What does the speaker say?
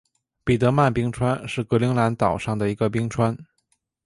彼得曼冰川是格陵兰岛上的一个冰川。